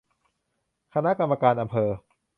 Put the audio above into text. คณะกรรมการอำเภอ